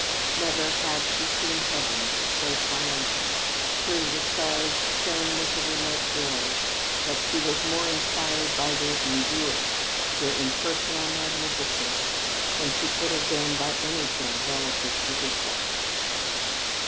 Never had she seen heavens so triumphant. True, the stars shone with a remote glory, but she was more inspired by their enduring, their impersonal magnificence, than she could have been by anything relative to herself.